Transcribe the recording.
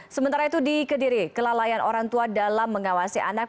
sementara itu di kediri kelalaian orang tua dalam mengawasi anak